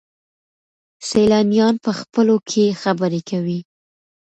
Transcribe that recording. سیلانیان په خپلو کې خبرې کوي.